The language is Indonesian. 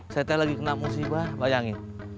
saya teh lagi kena musibah bayangin